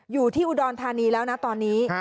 อยู่ที่อุดรธานีแล้วนะตอนนี้